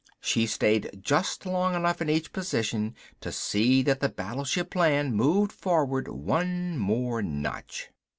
She stayed just long enough in each position to see that the battleship plan moved forward one more notch.